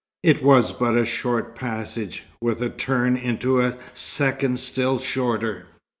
It was but a short passage, with a turn into a second still shorter.